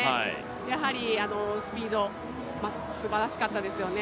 やはりスピード、すばらしかったですよね。